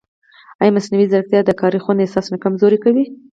ایا مصنوعي ځیرکتیا د کاري خوند احساس نه کمزورې کوي؟